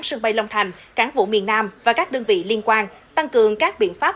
sân bay long thành cán vụ miền nam và các đơn vị liên quan tăng cường các biện pháp